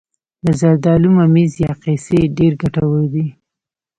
د زردالو ممیز یا قیسی ډیر ګټور دي.